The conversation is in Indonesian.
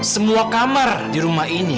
semua kamar di rumah ini